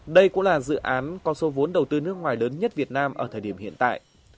đây cũng là dự án có số vốn đầu tư nước ngoài lớn nhất việt nam ở thời điểm hiện tại